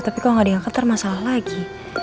tapi kok gak diangkat termasalah lagi